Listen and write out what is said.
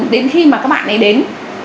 đến khi mà các bạn ấy đến